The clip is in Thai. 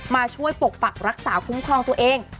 มาช่วยปกปักรักษาคุ้มครองตัวเอง